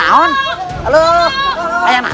aku mau ke sana